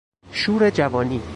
شور جوانی